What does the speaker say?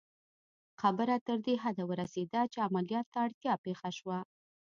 خبره تر دې حده ورسېده چې عملیات ته اړتیا پېښه شوه